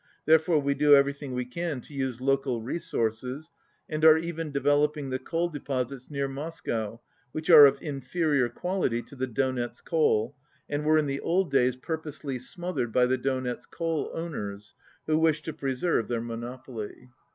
Therefore we do everything we can to use local resources, and are even developing the coal deposits near Moscow, which are of inferior quality to the Donetz coal, and were in the old days purposely smothered by the Donetz coal owners, who wished to preserve their monopoly."